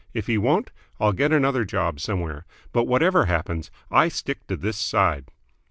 If he won't, I'll get another job somewhere. But, whatever happens, I stick to this side!"